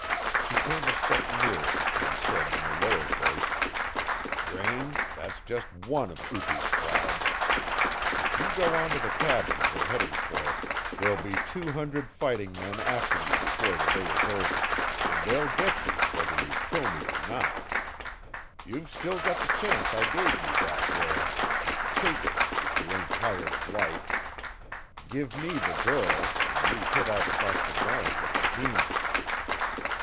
He came a step nearer, and said in a lower voice: "Raine, that's just ONE of Upi's crowds. If you go on to the cabin we're heading for there'll be two hundred fighting men after you before the day is over, and they'll get you whether you kill me or not. You've still got the chance I gave you back there. Take it if you ain't tired of life. Give me the girl an' you hit out across the Barren with the team."